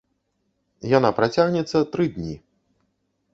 Яна працягнецца тры дні.